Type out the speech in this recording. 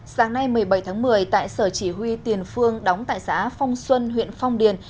sáng nay một mươi bảy tháng một mươi tại sở chỉ huy tiền phương đóng tại xã phong xuân huyện phong điền